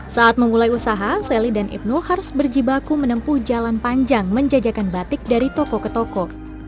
saat memulai usaha sally dan ibnu harus berjibaku menempuh jalan panjang menjajakan batik dari toko ke toko